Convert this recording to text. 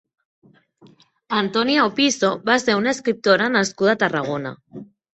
Antonia Opisso va ser una escriptora nascuda a Tarragona.